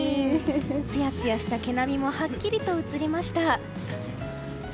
つやつやした毛並みもはっきりと映りました。